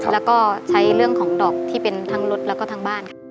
แล้วก็ใช้เรื่องของดอกที่เป็นทั้งรถแล้วก็ทั้งบ้าน